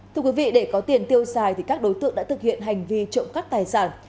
thưa quý vị để có tiền tiêu xài thì các đối tượng đã thực hiện hành vi trộm cắt tài sản